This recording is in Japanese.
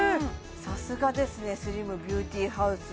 さすがですねスリムビューティハウス